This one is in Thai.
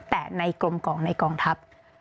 แต่ในกลมกองในกองทัพ